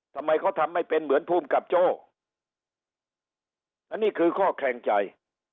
ทำไมเขาทำไม่เป็นเหมือนภูมิกับโจ้อันนี้คือข้อแขลงใจ